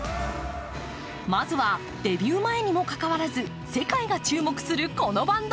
まずはデビュー前にもかかわらず世界が注目する、このバンド。